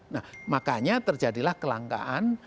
nah makanya terjadilah kelangkaan